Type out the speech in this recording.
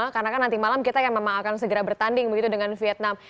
karena kan nanti malam kita akan segera bertanding begitu dengan vietnam